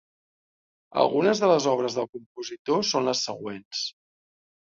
Algunes de les obres del compositor són les següents.